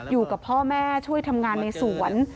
อยู่กับพ่อแม่ช่วยทำงานในสวน